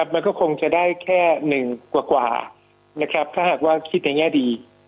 มันก็คงจะได้แค่๑กว่าถ้าหากว่าคิดในแง่ดี